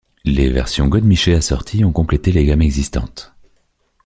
Les versions godemiché assorties ont complété les gammes existantes.